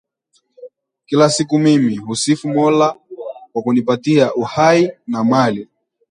Kila siku mimi husifu Mola kwa kunipatia uhai na mali